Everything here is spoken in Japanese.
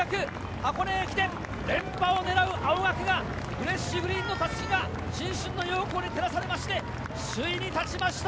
箱根駅伝の連覇を狙う青学がフレッシュグリーンの襷が新春の陽光に照らされまして、首位に立ちました。